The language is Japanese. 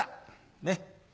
ねっ。